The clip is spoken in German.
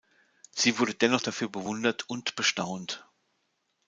Sie wurde dennoch dafür bewundert und bestaunt.